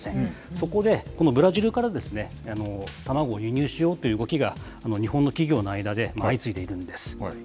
そこで、このブラジルから卵を輸入しようという動きが日本の企業の間で相次いでいるんです。